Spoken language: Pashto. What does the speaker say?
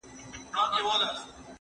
زه پرون سبزېجات جمع کړل!